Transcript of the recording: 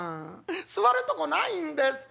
座るとこないんですか？